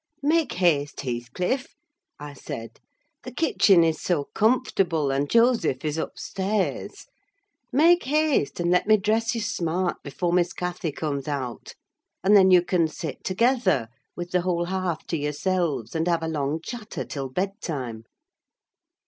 "Make haste, Heathcliff!" I said, "the kitchen is so comfortable; and Joseph is upstairs: make haste, and let me dress you smart before Miss Cathy comes out, and then you can sit together, with the whole hearth to yourselves, and have a long chatter till bedtime."